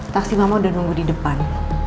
taksi mama udah nunggu di depan